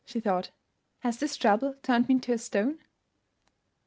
she thought. "Has this trouble turned me into a stone?"